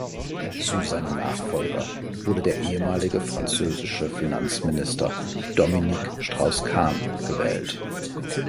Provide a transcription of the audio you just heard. Zu seinem Nachfolger wurde der ehemalige französische Finanzminister Dominique Strauss-Kahn gewählt.